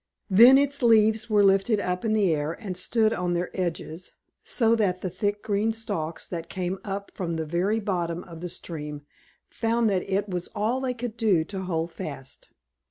Then its leaves were lifted up in the air and stood on their edges, so that the thick green stalks that came up from the very bottom of the stream found that it was all they could do to hold fast.